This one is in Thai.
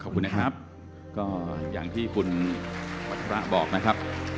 ขอบคุณนะครับก็อย่างที่คุณวัชระบอกนะครับ